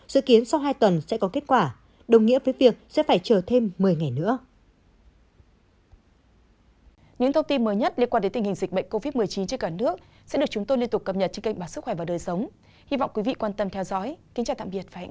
dự kiến sau hai tuần sẽ có kết quả đồng nghĩa với việc sẽ phải chờ thêm một mươi ngày nữa